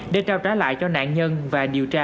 để trao trả lại cho nạn nhân và điều tra